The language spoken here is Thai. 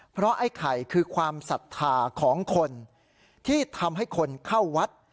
เพราะไอ้ไข่คือความศรัทธาของคนที่ทำให้คนเข้าวัด